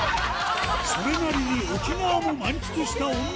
それなりに沖縄も満喫した女